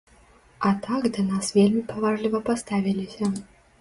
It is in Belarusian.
А так да нас вельмі паважліва паставіліся.